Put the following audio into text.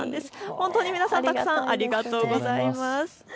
本当に皆さん、たくさんありがとうございます。